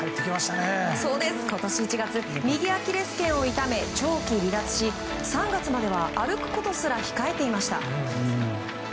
今年１月、右アキレス腱を痛め長期離脱し３月までは歩くことすら控えていました。